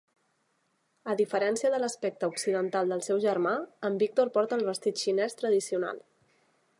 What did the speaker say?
A diferència de l'aspecte occidental del seu germà, en Victor porta el vestit xinés tradicional.